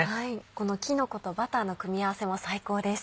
このきのことバターの組み合わせも最高です。